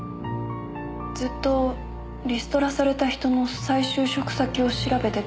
ずっとリストラされた人の再就職先を調べてて。